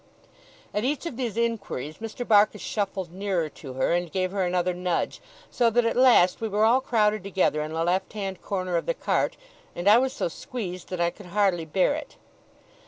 At each of these inquiries Mr. Barkis shuffled nearer to her, and gave her another nudge; so that at last we were all crowded together in the left hand corner of the cart, and I was so squeezed that I could hardly bear it.